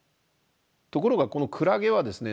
ところがこのクラゲはですね